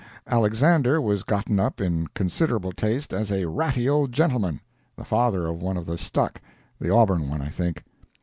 Alexander was gotten up in considerable taste as a ratty old gentleman—the father of one of the stuck—the auburn one, I think.